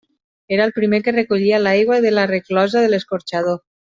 Era el primer que recollia l'aigua de la resclosa de l'escorxador.